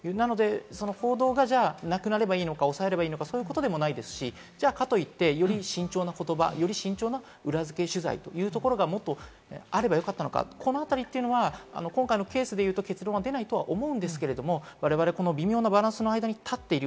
報道がなくなればいいのか、抑えればいいのか、そういうことでもないですし、かといって、より慎重な言葉、より慎重な裏付け取材というところがもっとあればよかったのか、このあたりは今回のケースでいうと、結論は出ないと思うんですけれど、我々、微妙なバランスの間に立っている。